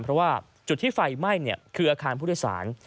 เพราะว่าจุดที่ไฟไหม้คืออาคารผู้โดยสาร